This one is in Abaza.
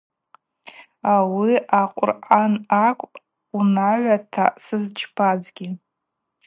Ауи а-Къвыръан акӏвпӏ унагӏвата сызчпазгьи.